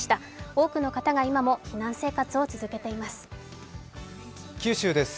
多くの方が、今も避難生活を続けています。